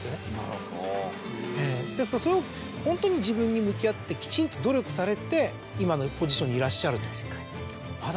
ですがそれをホントに自分に向き合ってきちんと努力されて今のポジションにいらっしゃる。